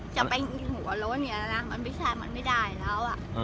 จับใครเหลอรถไม่ใช่มันไปได้แล้วอ่ะ